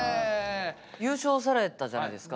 優勝されたじゃないですか。